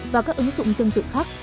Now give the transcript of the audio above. và các ứng dụng tương tự khác